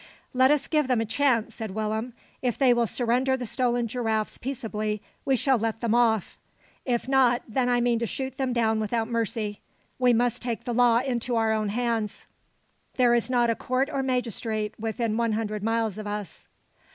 "Let us give them a chance," said Willem. "If they will surrender the stolen giraffes peaceably, we shall let them off. If not, then I mean to shoot them down without mercy. We must take the law into our own hands. There is not a court or magistrate within one hundred miles of us."